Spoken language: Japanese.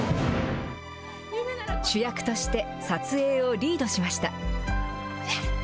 主役として撮影をリードしました。